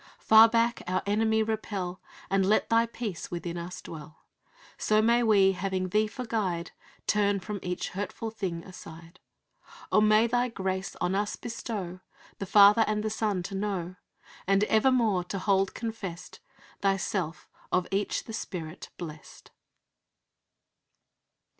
"Far back our enemy repel, And let Thy peace within us dwell; So may we, having Thee for Guide, Turn from each hurtful thing aside. "Oh, may Thy grace on us bestow The Father and the Son to know, And evermore to hold confessed Thyself of Each the Spirit blest."